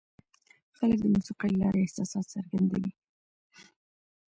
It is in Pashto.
خلک د موسیقۍ له لارې احساسات څرګندوي.